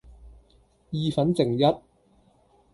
意粉剩一